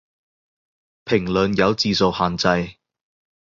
評論有字數限制